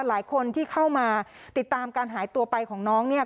หลายคนที่เข้ามาติดตามการหายตัวไปของน้องเนี่ย